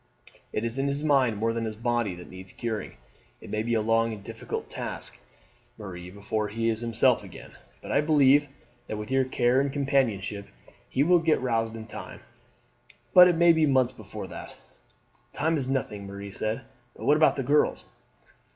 It is his mind more than his body that needs curing. It may be a long and difficult task, Marie, before he is himself again; but I believe that with your care and companionship he will get round in time, but it may be months before that." "Time is nothing," Marie said. "But what about the girls?"